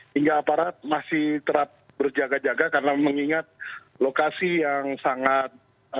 hingga aparat masih terap berjaga jaga karena mengingat lokasi yang sangat